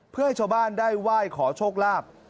เพื่อให้ชาวบ้านได้ไหว้ขอโชคลาภ